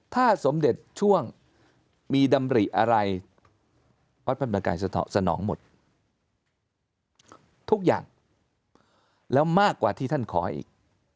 ถ้าสมเด็จช่วงมีดำริอะไรวัดพระธรรมกายสนองหมดทุกอย่างแล้วมากกว่าที่ท่านขออีก